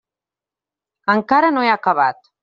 Encara no he acabat.